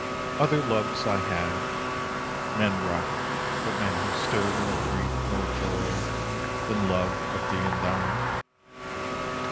Other loves I have, men rough, but men who stir More grief, more joy, than love of thee and thine.